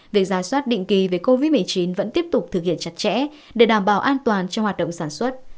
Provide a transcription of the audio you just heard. việc ra soát định kỳ về covid một mươi chín vẫn tiếp tục thực hiện chặt chẽ để đảm bảo an toàn cho hoạt động sản xuất